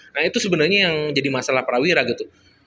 nah itu sebenarnya yang jadi masalah prawira gitu